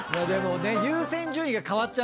優先順位が変わっちゃうんだよね。